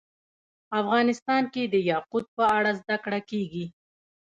افغانستان کې د یاقوت په اړه زده کړه کېږي.